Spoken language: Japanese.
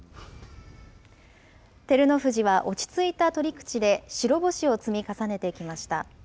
照ノ富士は落ち着いた取り口で、白星を積み重ねてきました。